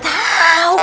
mas iti mau ngasih